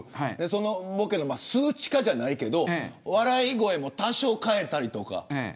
そのボケの数値化じゃないけど笑い声も多少変えたりとか。